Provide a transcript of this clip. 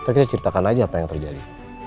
tapi kita ceritakan aja apa yang terjadi